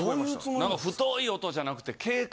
何か太い音じゃなくて。